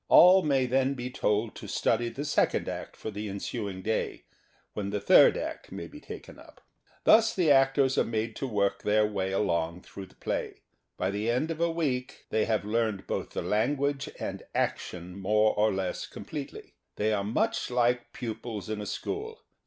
All may then be told to study the second act for the ensuing day, when the third act may be taken up. Thus the actors are made to work their way along through the play. By the end of a week they have learned both the language and action more or less completely. They are much like pupils in a school.